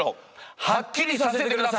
はっきりさせてください！